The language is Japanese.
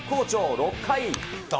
６回。